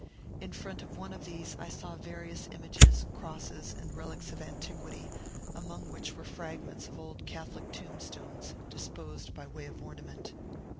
In front of one of these I saw various images, crosses, and relics of antiquity, among which were fragments of old Catholic tombstones, disposed by way of ornament.